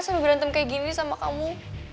sampe berantem kayak gini sama kamu